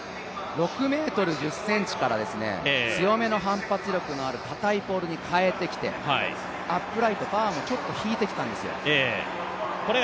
６ｍ１０ｃｍから強めの反発力のあるかたいポールに変えてきてアップライト、バーもちょっと引いてきたんですよ。